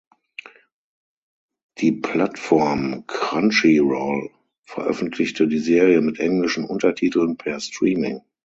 Die Plattform Crunchyroll veröffentlichte die Serie mit englischen Untertiteln per Streaming.